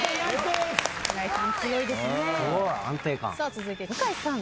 続いて向井さん。